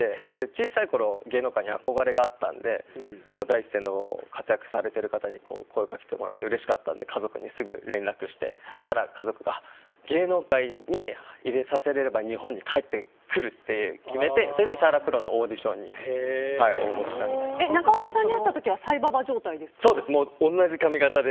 小さいころ芸能界に憧れがあったので第一線の活躍されてる方に声をかけてもらってうれしかったので、家族にすぐ連絡してそうしたら家族が芸能界に入れさせれば日本に帰ってくると決めて石原プロのオーディションに中岡さんに会った時はそうです。